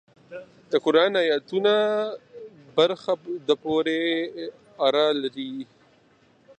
د قران ایتونو زیاته برخه ورپورې اړه لري.